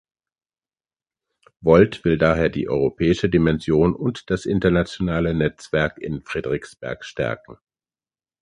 Volt will daher die europäische Dimension und das internationale Netzwerk in Frederiksberg stärken.